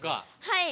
はい。